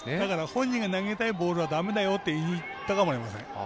本人が投げたいボールはだめだよって言ったかもしれません。